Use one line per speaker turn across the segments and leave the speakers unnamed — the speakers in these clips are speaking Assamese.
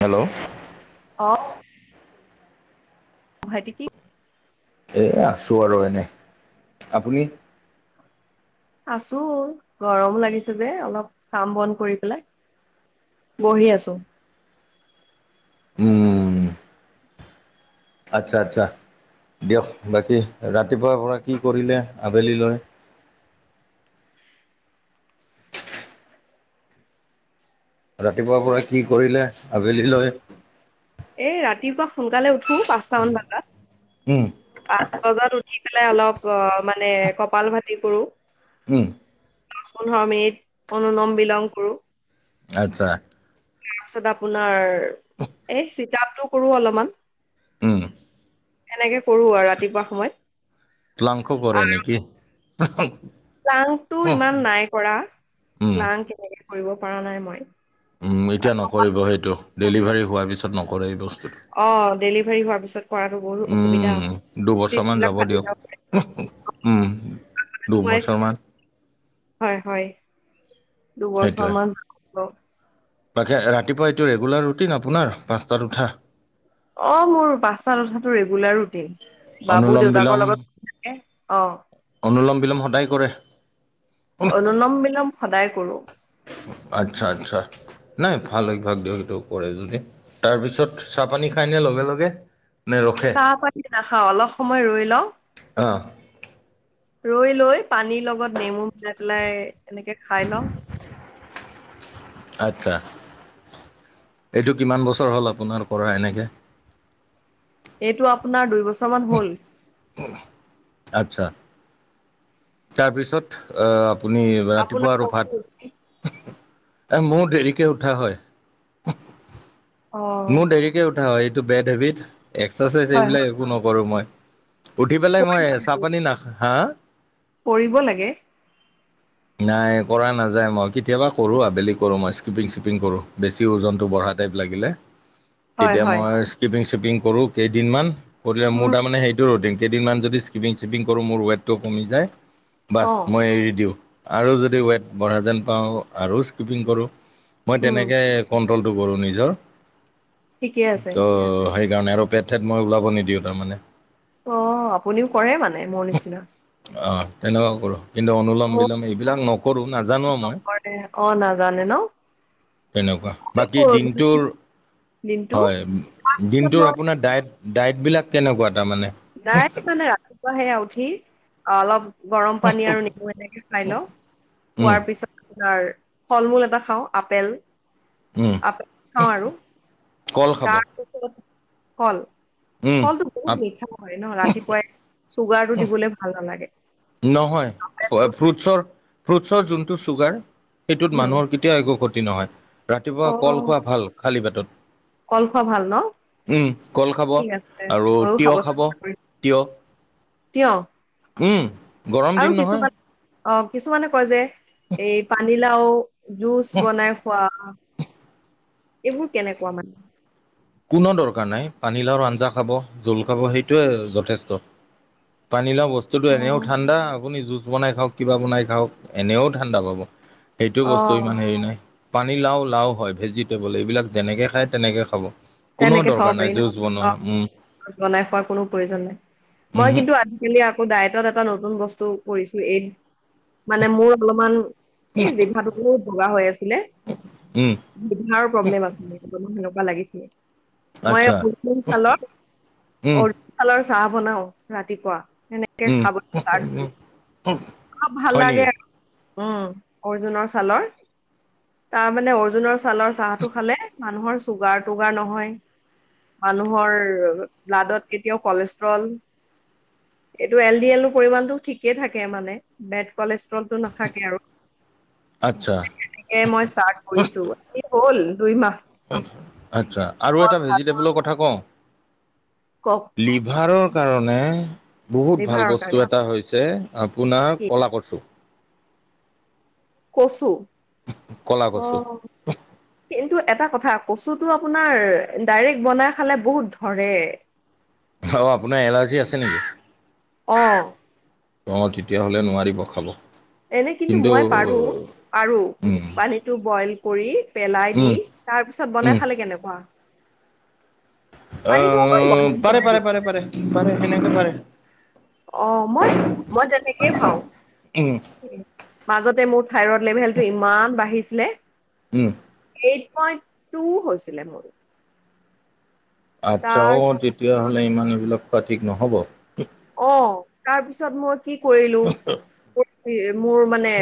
হেল্ল'।
অ'।
[inaudible]
ভাইটি কি
এই আছোঁ আৰু এনেই। আপুনি?
আছোঁ‌ গৰমো লাগিছে যে অলপ কাম বন কৰি পেলাই বহি আছোঁ।
আতছা, আতচা। দিয়ক বাকী ৰাতিপুৱাৰ পৰা কি কৰিলে আবেলি লৈ। ৰাতিপুৱাৰ পৰা কি কৰিলে আ
এ ৰাতিপুৱা সোনকালে উঠ ঠো পাঁচটা মান বজাত।
উম
পাঁচ বজাত উঠি পেলাই অলপ অ' মা নে কপাল ভাতি কৰোঁ।
উ।
দছ পোন্ধৰ মিনিট অনুনম বিলং কৰোঁ।
আতছা।
তাৰপিছত আপোনাৰ এই চিটাপটো কৰোঁ অলপমান।
উ।
এনেকে কৰোঁ আৰ ৰাতিপুৱা সময়ত।
লাংসো কৰে নেকি?
প্লাংতটো ইমান নাই কৰা।
উম
প্লাং এনেকে কৰিব পৰা নাই মই।
উম এতিয়া নকৰিব সেইটো ডেলিভাৰী হোৱাৰ পিছত নকৰে এই বচ
অ' ডেলিভাৰী হোৱাৰ পিছত। কৰাটো বহুত অসুবিধা হয়
উম,
ষ্টিচ
দুবছৰ মমান
বিলাক
যাব
ফাটি পাৰে
দিয়ক। উম।
মই
দুবছৰমান
হয়, হয়। দুবছৰমান হ
তাকে, ৰাতিপুৱা এইটো ৰেগুলাৰ ৰুটিন আপোনাৰ পাঁচটাত উঠা?
অ', মোৰ পাঁচটাত উঠাটো ৰেগুলাৰ ৰুটিন। বাবু
অনুলম
দেউতাকৰ
বিলম
লগত থাকে। অ'।
[unintelligible] সদায় কৰে।
অনুলম-বিলম সদায় কৰো।
আচ্ছা, আচ্ছা। নাই, ভাল অভ্যাস দিয়ক, এইটো কৰে যদি। তাৰপিছত চাহ-পানী খাই নে লগে লগে? নে ৰখে
চাহ-পাতি নাখাওঁ, অলপ সময় ৰৈ লওঁ।
অঁ
ৰৈ লৈ পানীৰ লগত নেমু মিলাই পেলাই এনেকে খাই লওঁ।
আচ্ছা। এইটো কিমান বছৰ হ'ল আপোনাৰ কৰা এনেকে?
এইটো আপোনাৰ দুইবছৰমানা হ'ল।
আচ্ছা। তাৰপিছত আ-আপুনি
আপোনাৰ
ৰাতিপুৱা আৰু ভাত
কওকচোন।
এ, মোৰ দেৰিকে উঠা হয়।
অ
মোৰ দেৰিকে উঠা হয়, এইটো বেড হেবিট। এক্সাৰচাইজ
হয় হয়
এইবিলাক একো নকৰোঁ মই। উঠি পেলাই মই এ
কৰিব লাগে
চাহ-পানী নাখা, হা
কৰিব লাগে।
নাই, কৰা নাযায়। মই কেতিয়াবা কৰো আবেলি কৰো মই স্কিপিং-স্শিপিং কৰো। বেছি ওজনতটো বঢ়া টাইপ লাগিলে।
হয়
তেতিয়া
হয়
মই স্কিপিং-স্শিপিং কৰোঁ কেইদিনমান। কৰি মোৰ
উম
তাৰ মানে হে তো ৰুটিন। কেইদিনমান যদি স্কিপিং-স্শিপিং কৰো, মোৰ ৱেটটো কমি যায়। বাছ
অ
মই এৰি দিওঁ। আৰু যদি ৱেট বঢ়া যেন পাওঁ আৰু স্কিপিং কৰোঁ। মই
উম
তেনেকৈ কন ন্ট্ৰল কৰোঁ নিজৰ।
ঠিকে আছে।
তো সেইকাৰণে আৰু পেট-চেট মই ওলাব নিদিওঁ তাৰমানে।
অ', আপুনিও কৰে মানে মোৰ নিচিনা।
অ', তেনেকুৱা কৰোঁ। কিন্তু
মোৰ
অনুলম-বিলম এইবিলাক নকৰো, নাজানোও মই।
নকৰে অ নাজানে ন
তেনেকুৱা। বাকী
হ'ল
দিনটোৰ
দিনটো
হয়।
পিছত
দিনটোৰ
মই
আপোনাৰ ডাইট-ডাইট বিলাক কেনেকুৱা? তাৰমানে
ডাইট মানে ৰাতিপুৱা সেয়া উঠি, অলপ গৰম পানী আৰু নেমু এনেকে খাই লওঁ। খোৱাৰ পিছত আৰ, ফল-মূল এটা খাওঁ। আপেল আপেল খাওঁ আৰু
কল খাব
তাৰপিছত কল,
উম,
কলটো
আপ
বহুত মিঠা। হয় ন। ৰাতিপুৱাই চুগাৰটো দিবলে ভাল নালাগে।
নহয়।
কলটো
ফ্ৰুটছৰ, ফ্ৰুটছৰ যোনটো ছুগাৰ সেইটোত
উম
মানুহৰ কেতিয়াও একো ক্ষতি নহয়।
অ
ৰাতিপুৱা কল খোৱা ভাল, খালী পেটত।
কল খোৱা ভাল ন?
উম, কল খাব
ঠিক আছে
আৰু
ময়ো
তিয়হ খাব,
চেষ্টা কৰিম
তিয়হ।
তিয়হ
উম, গৰম
আৰু
দিন নহয়।
কিছুমান অ', কিছুমানে কয় যে, এই পানীলাও জুচ বনাই খোৱা এইবোৰ কেনেকুৱা মানে?
কোনো দৰকাৰ নাই। পানীলাওৰ আঞ্জা খাব, জোল খাব সেইটোৱে যথেষ্ট। পানীলাও বস্তুটো এনেও
অ',
ঠাণ্ডা আপুনি জুচ বনাই খাক কিবা বনাই খাওক এনেও ঠাণ্ডা পাব সেইটো বস্তু
অ'।
ইমান হেৰি নাই পানী লাও লাও হয় ভেজিটেবল এইবিলাক যেনেকৈ খায় তেনেকৈ খাব কোনোও
তেনেকে খাব
দৰকাৰ
পাৰি
নাই
ন?
জুচ বনোৱা
অ',
উম
বনাই খোৱাৰ কোনো প্ৰয়োজন নাই মই
উমহু
কিন্তু আজিকালি আকৌ ডায়টত এটা নতুন বস্তু কৰিছো এই মানে মোৰ অলপমান এই জিঘাতোকো বগা হৈ আছিলে
উম
জঘাৰ প্ৰব্লেম আছিল ল মই
আচ্ছা উম
চাহ বনাও ৰাতিপুৱা এনেকে
উম
খাবষ্ট কৰি খুব ভাল
হয়
লাগে
নেকি
উম অৰ্জুনৰ ছালৰ তাৰ মানে অৰ্জুনৰ ছালৰ চাহটো খালে মানুহৰ চুগাৰ টুগাৰ ন মানুহৰ ব্লাডত কেতিয়াও কলেষ্ট্ৰল এইটো এল ডি এলৰ পৰিমমানতটো ঠিকে থাকে মানে বেড কলেষ্ট নাথাকে আৰু
আচ্ছা
মই ষ্টাৰ্ট কৰিছোঁ হ'ল দুই মাহ
আচ্ছা আৰু এটা ভেজিটেবলৰ কথা কওঁ
কওক
লিভাৰৰ কাৰণে বহুত ভাল
লিভাৰৰ
বস্তু
কাৰণে
এটা হৈছে আপোনাৰ
কি
ক'লা কছোঁ
কচু
কলা কচু
টো এটা কথা কচুটো আপোনাৰ ডাইৰেক্ট বনাই খালে বহুত ধৰে
অ'আপোনাৰ এলাৰ্জি আছে নেকি
আহ।
অ' তেতিয়াহ'লে নোৱাৰিব খালো
এনে কিন্তু মই পাৰো পাৰো
উম
পানীটো বইল কৰি পেলাই দি
উম
তাৰ পিছত
উম
বনাই খালে কেনেকুৱা পানীটো অকণ বইল
অহ
কৰি
পাৰে
পেলাই
পাৰে পাৰে পাৰে পাৰে এনেকে পাৰে
অ মই মই তেনেকেই খাও
উম
মাজতে মোৰ থাইৰইড লেভেলটো ইমান বাঢ়িছিলে।
উম।
এইট পইন্ট টু হৈছিলে মোৰ।
আচ্ছা
তাৰ
অ 'তেতিয়াহলে ইমান এইবিলাক খোৱা ঠিক নহ'ব
অ' তাৰপিছত মই কি কৰিলো মোৰ মানে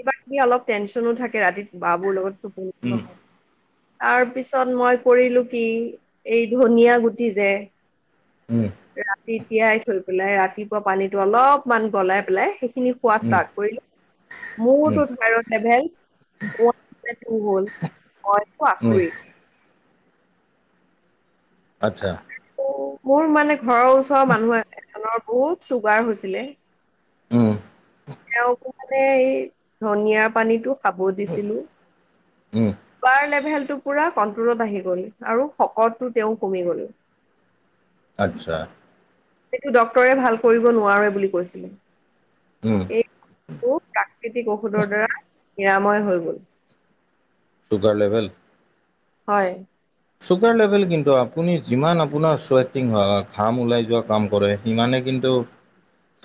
কিবা কিবি অলপ টেনচনো থাকে ৰাতিত ব বোৰ লগত।
উম
হয় তাৰ পিছত মই কৰিলো কি এই ধনিয়া গুটি যে!
[inaudible]
ৰাতি তিয়াই থৈ পেলাই ৰাতিপুৱা পানীটো অলপমান গলাই পেলাই সেইখিনি খোৱা
উম
ষ্টাৰ্ট কৰিলো।
উম
মোৰতো থাইৰইড লেভেল ওৱট ফেট ও হল মই টো
উম
আচৰিত!
আচ্ছা
মোৰ মানে ঘৰৰ ওচৰৰ মানুহ এজনৰ বহুত চুগাৰ হৈছিলে
উম
তেওঁ মানে এই ধনিয়াৰ পানীতো খাব দিছিলো
উম
ৱাৰ লেভেল। টো পুৰা কন্ট্ৰলত আহি গ'ল আৰু শকতটো তেওঁ কমি গ'ল।
আচ্ছা
সেইটো ডক্তৰে ভাল কৰিব নোৱাৰে বুলি কৈছিল
উম
এই প্ৰাকৃতিক ঔষধৰ দ্বাৰা নিৰাময় হৈ গল।
চুগাৰ লেভেল
হয়।
চুগাৰ লেভেল কিন্তু আপুনি যিমান আপোনাৰ স্বেটিং হয়, ঘাম ওলাই যোৱা কাম কৰে সিমানে কি কিন্তু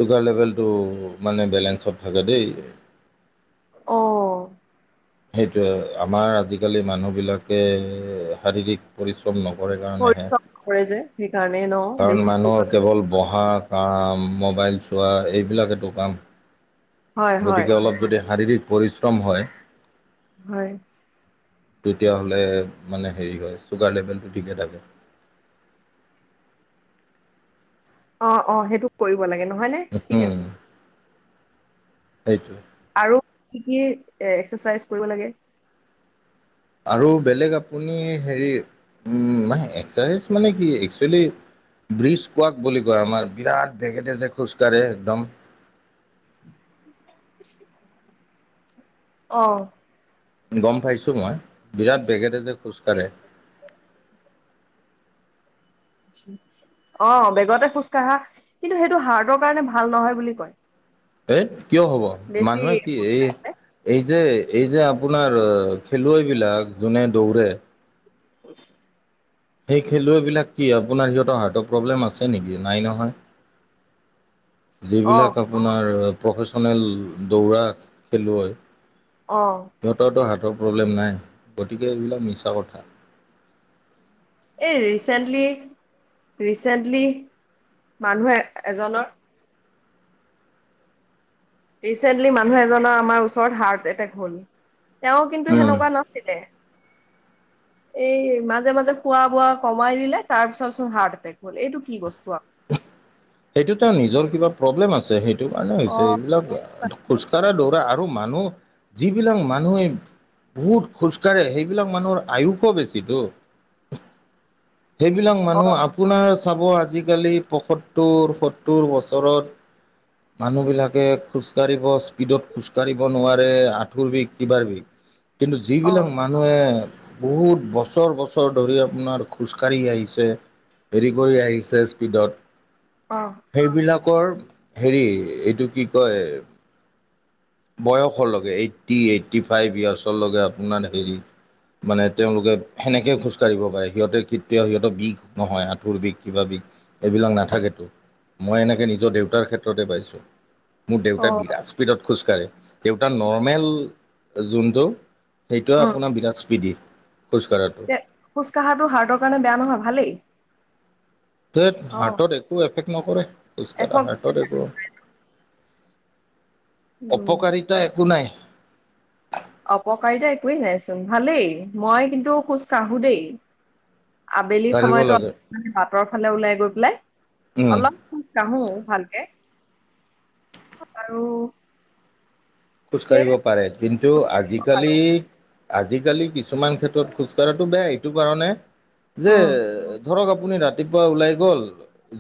ছুগাৰ লেভেলটো মানে বেলেঞ্চত থাকে দেই।
অ
সেইটোয়ে আমাৰ আজিকালি মানুহ বিলাকে শাৰীৰিক পৰি [unintelligible] নকৰে কাৰণেহে,
শৰীৰ কৰে যে সেইকাৰণে ন
কাৰণ
বেছি চুগাৰ।
মানুহৰ কেৱল বহা কাম, মোবাইল চোৱা এইবিলাকেতো কাম।
হয় হয়
গতিকে অলপ যদি শাৰীৰিক পৰিশ্ৰম হয়
হয়।
তেতিয়াহ'লে মানে হেৰি হয় ছুগাৰ লেভেলটো ঠিকে থাকে।
[inaudible] অ' অ 'সেইটো কৰিব লাগে নহয় নে ঠিক আছে।
এইটোৱে।
আৰু কি কি এক্সাৰচাইজ কৰিব লাগে?
আৰু বেলেগ আপুনি হেৰি উম নাই এক্সাৰাইজ মানে কি এক্সৱেলি- ব্ৰিজ কোৱাক বুলি কয় আমাৰ বিৰাট বেগেতেজে খোজকাঢ়ে একদম।
অ'
গম পাইছো মই বিৰাট, বেগেৰে যেে খোজ কাঢ়ে।
অ' বেগতে খোজকাঢ়া কিন্তু সেইটো হাৰ্টৰ কাৰণে ভাল নহয় বুলি কয়।
ধেৎ কিয় হ'ব
বেছি
মানুহে কি
খোজ
এই
কাঢ়িলে
-এই যে এই যে আপোনাৰ খেলুৱৈ বিলাক যোনে দৌৰে।
[inaudible]
সেই খেলুৱৈবিলাক কি আপোনাৰ সিহঁতৰ হাৰ্টৰ প্ৰব্লেম আছে নেকি নাই নহয়।
অ
যিবিলাক আপোনাৰ প্ৰফেশচনেল দৌৰা খেলুৱৈ।
অ
সিহঁতৰতো হাৰ্টৰ। প্ৰব্লেম নাই গতিকে এইবিলাক মিছা কথা।
এই ৰিচেন্টলি ৰিচেণ্টলি। মানুহ এ এজনৰ। ৰিচেন্টলি মানুহ এজনৰ আমাৰ ওচৰত হাৰ্ট এটেক হ'ল। তেওঁ কিন্তু
উম
সেনেকুৱা নাছিলে। এই মাজে মাজে খোৱা বোৱা কমাই দিলে তাৰ পিছতচোন হাৰ্ট এটেক হ'ল এইটো কি বস্তু আক [inaudible]
সেইটো তাৰ নিজৰ কিবা প্ৰব্লেম আছে, সেইটো কাৰণ
অ
হৈছে এইবিলাক খোজকাঢ়া দৌৰা আৰু মানুহ যিবিলাক মানুহে বহুত খোজকাঢ়ে সেইবিলাক মানুহৰ আয়ুসো বেছিতো
[inaudible]
সেইবিলাক
অ
মানুহ আপোনাৰ চাব আজিকালি পসত সত্তৰ সত্তৰ বছৰত মানুহ বিলাকে খোজকাঢ়িব স্পীডত খোজ কাঢ়িব নোৱাৰে আঁঠুৰ বিষ কিবাৰ বিষ কিন্তু
অ
যিবিলাক মানুহে বহুত বছৰ বছৰ ধৰি আপোনাৰ খোজকাঢ়ি আহিছে হেৰি কৰি আহিছে স্পীডত
অ
সেইবিলাকৰ হেৰি এইটো কি কয় বয়সৰলৈকে এইটি এইটটি ফাইভ ইয়াৰ্চৰকে আপোনাৰ হেৰি মানে তেওঁলোকে সেনেকে খোজ কঢ়িব পাৰে সিহঁতে কেতিয়াও সিহঁত বিষ নহয় আঁঠুৰ বিষ কিবা বিষ এইবিলাক নাথাকেতো মই এনেকে নিজৰ দেউতাৰ ক্ষেত্ৰতে পাইছোঁ মোৰ
অ
দেউতা বিৰাট স্পীডত খোজকাঢ়ে দেউতা নৰ্মেল যোনটো সেইটোৱে আপোনাৰ বিৰাট স্পীডি খোজকঢ়াটো
তে খোজ কঢ়াটো হাৰ্টৰ কাৰণে বেয়া নহয় ভালেই
তেইত
অ
হাৰ্টত একো এফেক্ট নকৰে খোজ
এশ
কঢ়া হাৰ্টত একো
উম
অপকাৰিতা একো নাই
অপকাৰিতা একোৱেই নাইচোন ভালেই মই কিন্তু খোজ কাঢ়ো দেই। আবেলি
কাঢ়িব
সময়তো
লাগে
অলপ মানে বাটৰ ফালে ওলাই গৈ পেলাই
উম।
অলপ [unintelligible] ভালকে। আৰু, সেয়ে
খোজকাঢ়িব পাৰে, কিন্তু
খোজ কাঢ়িব পাৰো
আজিকালি আজিকালি কিছুমান ক্ষেত্ৰত খোজ কঢ়াটো বেয়া। এইটো কাৰণে যে
উম
ধৰক আ আপুনি ৰাতিপুৱা ওলাই গ'ল।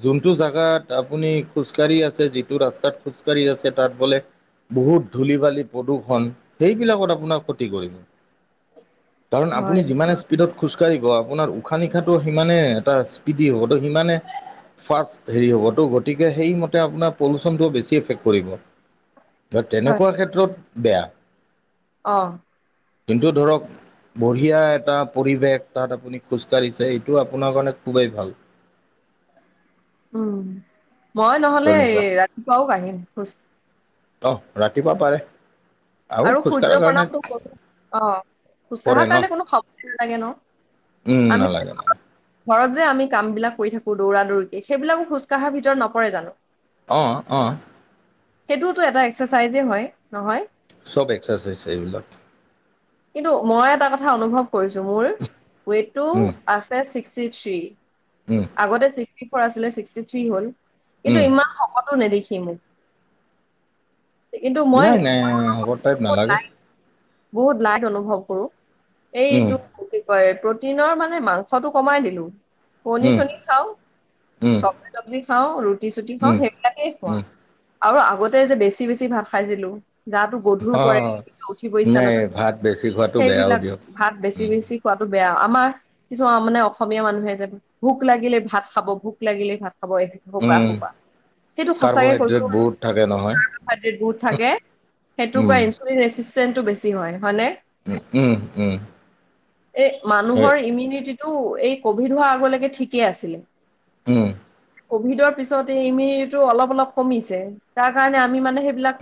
যোনটো জাগাত আপুনি খোজকাঢ়ি আছে, যিটো ৰাস্তাত খোজকাঢ়ি আছে। তাত বোলে, বহুত ধূলি-বালি প্ৰদূৰ্ষণ সেইবিলাকত আপোনাক ক্ষতি কৰিব। কাৰণ,
হয়
আপুনি যিমানে স্পীডত খোজকাঢ়িব আপোনাৰ উশাহ-নিশাহটো সিমানে এটা স্পিডি হ'ব ত' সিমানে ফাষ্ট হেৰি হ'ব ত', গতিকে সেইমতে আপোনাৰ পলিচনটো বেছি এফেক্ট কৰিব।
হয়
তেনেকুৱা ক্ষেত্ৰত বেয়া।
অ'।
কিন্তু ধৰক, বঢ়িয়া এটা পৰিৱেশ তাত আপুনি খোজকাঢ়িছে, এইটো আপোনাৰ কাৰণে খুবেই ভাল।
উম, মই নহলে
তেনেকুৱা
ৰাতিপুৱাও কাঢ়িম খোজ।
আহ, ৰাতিপুৱা পাৰে।
আৰু
খোজকাঢ়াৰ
সূৰ্য
কাৰণে
প্ৰণামটো কৰো। অ'
কৰে
খোজকাঢ়াৰ
ন
কাৰণে কোনো সময় নালাগে ন।
উম,
আমি
নালাগে।
ঘৰত যে আমি কাম বিলাক কৰি থাকো। দৌৰা-দৌৰিকে সেইবিলাকো খোজকাঢ়াৰ ভিতৰত নপৰে জানো।
আহ, অ'।
সেইটোওতো এটা এক্সাৰচাইজে হয়, নহয়।
চব এক্সাৰচাইজ এইবিলাক।
কিন্তু মই এটা কথা অনুভৱ কৰিছো মোৰ ৱেট টো
উম
আছে চিক্স ছিক্সটি থ্ৰী
উম
আগতে চিক্সটি ফৰ আছিলে ছিক্সটি থ্ৰী হ'ল।
উম
কিন্তু ইমান শকতো নেদেখি মোক। কিন্তু মই
নাই নাই অভাৰ টাইপ
[unintelligible]
নালাগে
নাই বহুত নাগ অনুভৱ কৰো এই
উম
-এইটো [unintelligible] বুলি কয় প্ৰটিনৰ মানে মাংসটো কমাই দিলো কণী
উম
চনি খাও
উম
চবজি তবজি খাওঁ ৰুটি চুটি খাওঁ
উম
সেইবিলাকেই খুৱা
উম
আৰু আগতে যে বেছি-বেছি ভাত খাইছিলো গা টো গধুৰ
অ
কৰে উঠিব ইছা
নাই
নাযাই
ভাত বেছি খোৱাটো বেয়াও
সেইবিলাক
দিয়ক
ভাত
উম
বেছি-বেছি খোৱাতো বেয়া আমাৰ কিছুমান অসমীয়া মানুহে যে ভোক লাগিলে ভাত খাব ভোক লাগিলেই ভাত খাব এসোপা -
উম
এসোপা সেইটো সঁচাকে কৈছো
কাৰ্বহাইড্ৰেট বহুত থাকে নহয়
কাৰ্ব-হাইড্ৰেদ বহুত থাকে সেইটোৰ পৰা
উম
ইনচুলিন ৰেচিষ্ট্ৰেণ্টো বেছি হয় নে?
উম-উম- উম
এ
সেই
মানুহৰ ইমিউনিটিটো এই কভিড হোৱাৰ আগলৈকে ঠিকেই আছিলে
উম,
কভিডৰ পিছত এই ইমিউনিটিটো অলপ- অলপ কমিছে তাৰ কাৰণে আমি মানে সেইবিলাক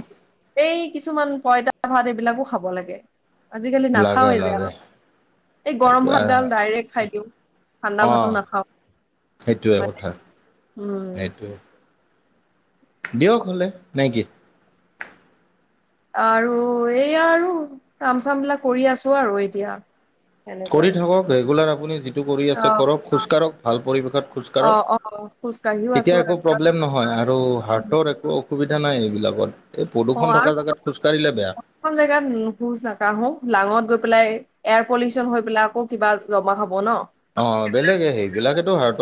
এই কিছুমান পইতা ভাত এইবিলাকো খাব লাগে আজিকালি
লাগে
নাখাওেই যে
লাগে
আমি। এই
সেইটো
গৰম ভাত গাল ডাইৰেক্ট খাই দিওঁ ঠাণ্ডা
অঁ
ভাতো নাখাওঁ।
সেইটোৱে
হয়নে
কথা
উম,
সেইটোৱে দিয়ক হলে নাইকি?
আৰু এইয়া আৰু কাম চাম বিলাক কৰি আছো আৰু এতিয়া।
কৰি
সেনেকুৱাই
থাকক ৰেগুলাৰ আপুনি যিটো কৰি আছে
অ
কৰক খোজকাঢ়ক ভাল পৰিৱেশত। খোজ
অ
কাঢ়ক
অ খোজ কাঢ়িও আছো
তেতিয়া একো
আৰু অ
প্ৰব্লেম নহয় আৰু হাৰ্টৰ একো অসুবিধা নাই। বিলাকত
অ', আৰু [unintelligible] জেগাত নোখোজ, নাকাঢ়ো লাঙত গৈ পেলাই। এয়াৰ পলিউশ্যন হৈ পেলাই আকো কিবা জমা হব ন
অ বেলেগে সেইবিলাকেতো হাৰ্টত